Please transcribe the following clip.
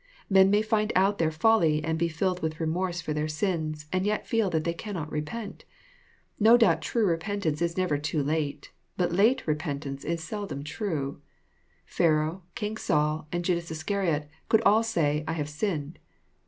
Men may find out their folly and be filled with remorse for their sins, and yet feel that they cannot repent. No doubt true repentance is never too late; but late repent ance i s seldom true. Pharaoh, King Saul, and Judas Iscariot, could all say, *<I have sinned."